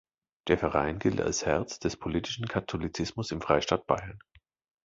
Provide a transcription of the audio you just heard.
Der Verein gilt als Herz des politischen Katholizismus im Freistaat Bayern.